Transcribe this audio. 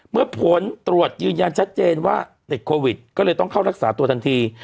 ผลตรวจยืนยันชัดเจนว่าติดโควิดก็เลยต้องเข้ารักษาตัวทันที